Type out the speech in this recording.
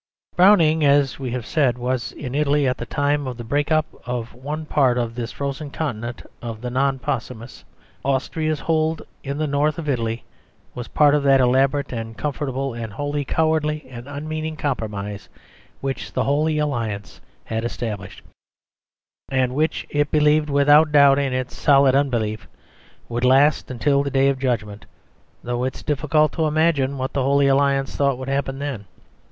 Browning, as we have said, was in Italy at the time of the break up of one part of this frozen continent of the non possumus, Austria's hold in the north of Italy was part of that elaborate and comfortable and wholly cowardly and unmeaning compromise, which the Holy Alliance had established, and which it believed without doubt in its solid unbelief would last until the Day of Judgment, though it is difficult to imagine what the Holy Alliance thought would happen then.